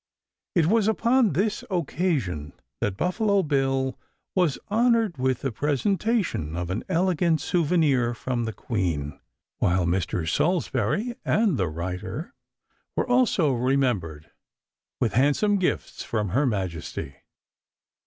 It was upon this occasion that Buffalo Bill was honored with the presentation of an elegant souvenir from the queen, while Mr. Salsbury and the writer were also remembered with handsome gifts from her majesty.